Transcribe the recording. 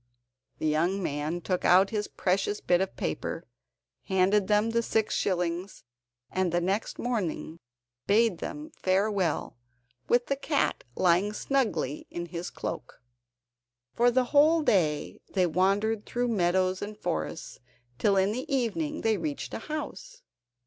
The young man took out his precious bit of paper, handed them the six shillings, and the next morning bade them farewell, with the cat lying snugly in his cloak. For the whole day they wandered through meadows and forests, till in the evening they reached a house.